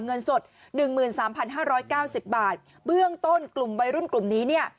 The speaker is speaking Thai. เงินสดหนึ่งหมื่นสามพันห้าร้อยเก้าสิบบาทเบื้องต้นกลุ่มวัยรุ่นกลุ่มนี้เนี่ย